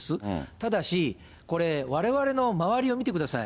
ただし、これ、われわれの周りを見てください。